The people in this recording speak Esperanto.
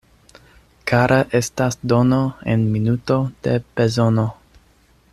Kara estas dono en minuto de bezono.